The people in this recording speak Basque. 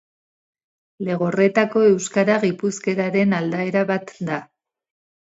Legorretako euskara gipuzkeraren aldaera bat da.